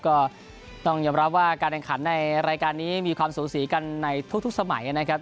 ก็ต้องยอมรับว่าการแข่งขันในรายการนี้มีความสูสีกันในทุกสมัยนะครับ